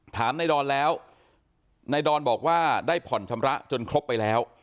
ถามนายดอนแล้วนายดอนบอกว่าได้ผ่อนชำระจนครบไปแล้ว